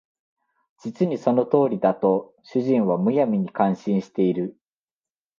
実にその通りだ」と主人は無闇に感心している